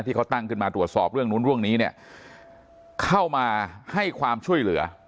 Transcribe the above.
ที่เขาตั้งขึ้นมาตรวจสอบเรื่องนู้นเรื่องนี้เนี่ยเข้ามาให้ความช่วยเหลือ